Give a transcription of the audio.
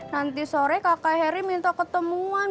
nanti sore kakak heri minta ketemuan